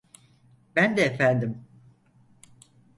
Ben de efendim.